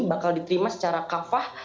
bakal diterima secara kafah